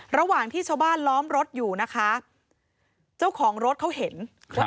ระหว่างที่ระหว่างที่แบบนี้เจ้าของรถเขาเห็นว่า